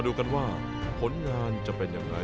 แต่ว่าผลงานจะเป็นยังไง